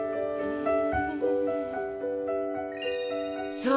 そう！